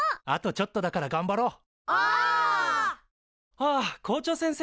あっ校長先生！